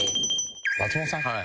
松本さん。